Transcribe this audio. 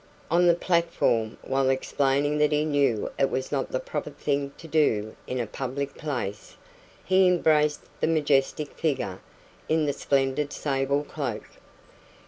On the platform while explaining that he knew it was not the proper thing to do in a public place he embraced the majestic figure in the splendid sable cloak.